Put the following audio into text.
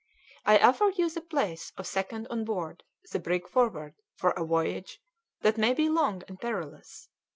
I offer you the place of second on board the brig Forward for a voyage that may be long and perilous.